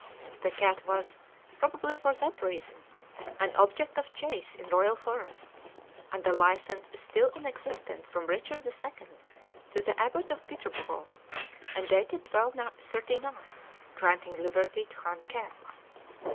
The cat was, probably for that reason, an object of chase in royal forests, and a license is still in existence from Richard II to the Abbot of Peterborough, and dated 1239, granting liberty to hunt cats.